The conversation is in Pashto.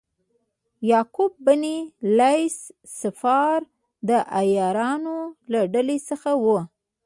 یعقوب بن لیث صفار د عیارانو له ډلې څخه و.